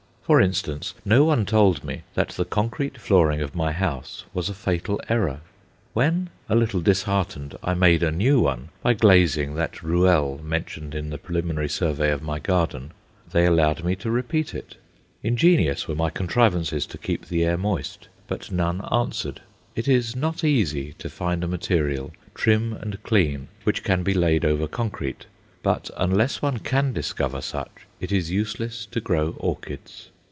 For instance, no one told me that the concrete flooring of my house was a fatal error. When, a little disheartened, I made a new one, by glazing that ruelle mentioned in the preliminary survey of my garden, they allowed me to repeat it. Ingenious were my contrivances to keep the air moist, but none answered. It is not easy to find a material trim and clean which can be laid over concrete, but unless one can discover such, it is useless to grow orchids.